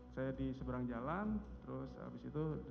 saya di seberang jalan terus habis itu